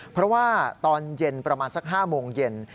เพราะว่าตอนเย็นประมาณสัก๕โมงเย็น